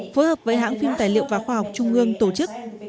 phối hợp với hãng phim tài liệu và khoa học trung ương tổ chức